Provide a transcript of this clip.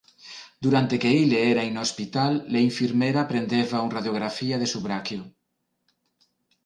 Durante que ille era in hospital, le infirmera prendeva un radiographia de su brachio.